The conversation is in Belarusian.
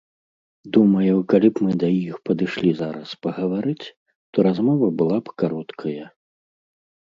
Думаю, калі б мы да іх падышлі зараз пагаварыць, то размова была б кароткая.